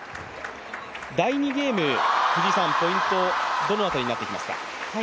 第２ゲーム、ポイントどの辺りになってきますか。